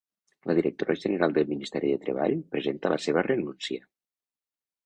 La directora general del Ministeri de Treball presenta la seva renúncia